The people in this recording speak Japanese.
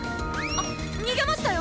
あっ逃げましたよ！